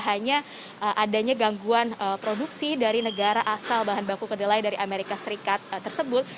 hanya adanya gangguan produksi dari negara asal bahan baku kedelai dari amerika serikat tersebut